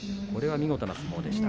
見事な相撲でした。